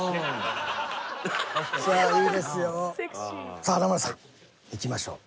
さあ華丸さんいきましょう。